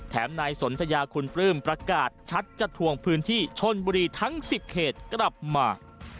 นายสนทยาคุณปลื้มประกาศชัดจะทวงพื้นที่ชนบุรีทั้ง๑๐เขตกลับมา